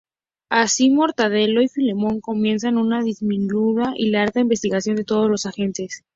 Así, Mortadelo y Filemón comienzan una disimulada y larga investigación de todos los agentes.